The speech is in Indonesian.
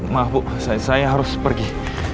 maaf bu saya harus pergi